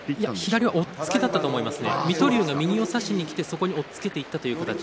左押っつけだったと思いますね。